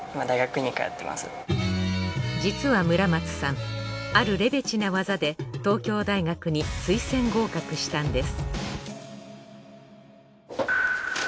実は村松さんあるレベチな技で東京大学に推薦合格したんです